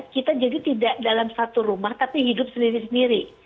kita jadi tidak dalam satu rumah tapi hidup sendiri sendiri